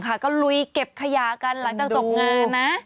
ก็ลุยเก็บขยะกันหลังจากจบงานนะ